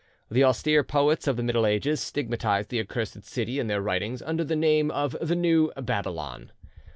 The austere poets of the Middle Ages stigmatised the accursed city in their writings under the name of the New Babylon.